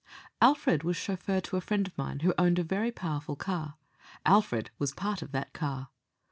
Alfred was chauffeur to a friend of mine who owned a very powerful car. Alfred was part of that car.